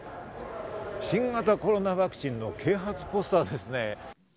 新型コロナワクチンの啓発ポスターですね。